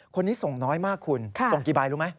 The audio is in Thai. คนนี้ส่งน้อยมากคุณส่งกี่ใบรู้ไหม